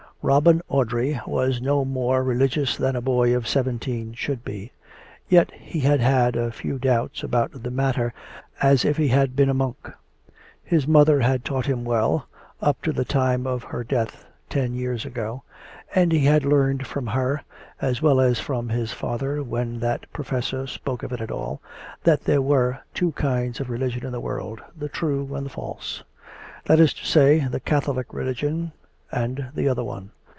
Robin Audrey was no more religious than a boy of seventeen should be. Yet he had had as few doubts about the matter as if he had been a monk. His mother had taught him well, up to the time of her death ten years ago; and he had learned from her, as well as from his father when that professor spoke of it at all, that there were two kinds of religion in the world, the true and the false — that is to say, the Catholic religion and the other one.